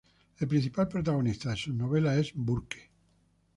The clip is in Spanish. El principal protagonista de sus novelas es Burke.